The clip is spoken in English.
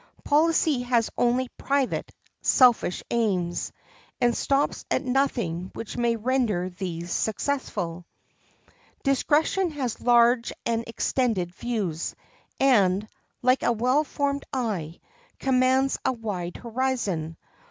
Policy has only private, selfish aims, and stops at nothing which may render these successful. Discretion has large and extended views, and, like a well formed eye, commands a wide horizon.